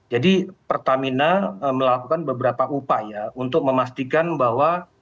jadi pertamina melakukan beberapa upaya untuk memastikan bahwa